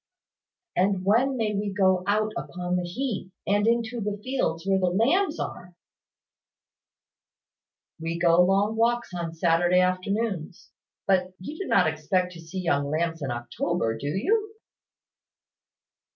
"And when may we go out upon the heath, and into the fields where the lambs are?" "We go long walks on Saturday afternoons; but you do not expect to see young lambs in October, do you?"